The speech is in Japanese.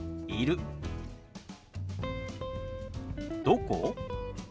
「どこ？」。